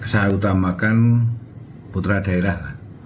saya utamakan putra daerah